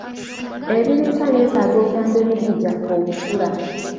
Ebiriisa byetaagisa okuyamba emibiri gyaffe okukula.